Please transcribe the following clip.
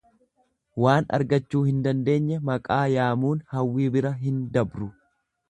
Waan argachuu hin dandeenye maqaa yaamuun hawwii bira hin dabru.